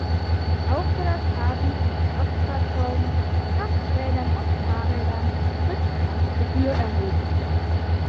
Auch für das Parken von Kraftfahrzeugen, Krafträdern und Fahrrädern wird keine Gebühr erhoben.